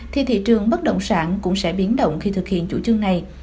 thì thị trường bất động sản cũng sẽ biến động khi thực hiện chủ trương này